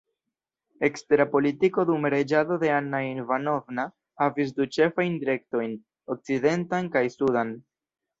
Ekstera politiko dum reĝado de Anna Ivanovna havis du ĉefajn direktojn: okcidentan kaj sudan.